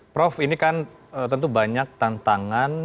prof ini kan tentu banyak tantangan